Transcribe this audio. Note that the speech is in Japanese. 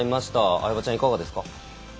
相葉ちゃん、いかがですか？